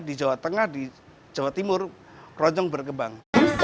di jawa tengah di jawa timur keroncong berkembang